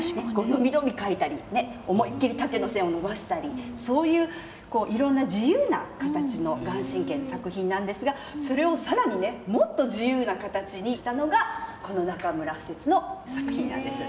伸び伸び書いたり思いっきり縦の線を伸ばしたりそういういろんな自由な形の顔真の作品なんですがそれを更にねもっと自由な形にしたのがこの中村不折の作品なんです。